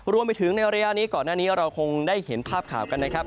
รวมไปถึงในระยะนี้ก่อนหน้านี้เราคงได้เห็นภาพข่าวกันนะครับ